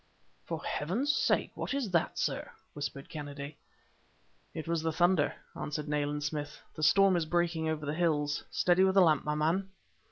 "For Heaven's sake what was that, sir?" whispered Kennedy. "It was the thunder," answered Nayland Smith. "The storm is breaking over the hills. Steady with the lamp, my man."